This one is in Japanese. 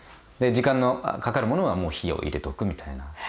で時間のかかるものはもう火を入れとくみたいな。